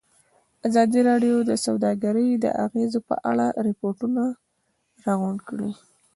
ازادي راډیو د سوداګري د اغېزو په اړه ریپوټونه راغونډ کړي.